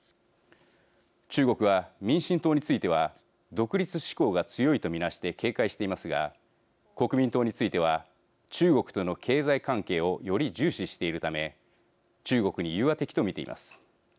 中国は、民進党については独立志向が強いと見なして警戒していますが国民党については中国との経済関係をより重視しているため中国に融和的と見ています。